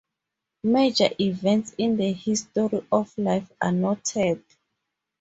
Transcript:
Major events in the history of life are noted.